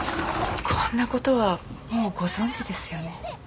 こんな事はもうご存じですよね。